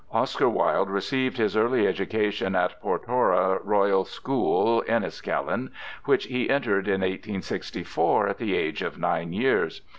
Oscar Wilde received his early education at Portora Royal School, Enniskillen, which he entered in 1864 at the age of nine years.